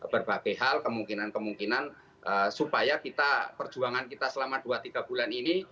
berbagai hal kemungkinan kemungkinan supaya kita perjuangan kita selama dua tiga bulan ini